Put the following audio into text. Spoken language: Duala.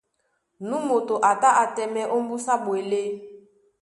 Nú moto a tá á tɛ́mɛ̀ ómbúsá ɓwelé.